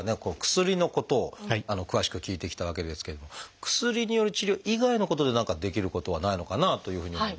薬のことを詳しく聞いてきたわけですけれども薬による治療以外のことで何かできることはないのかなというふうに思いますが。